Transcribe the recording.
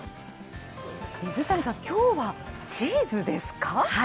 水谷さん、今日はチーズですか？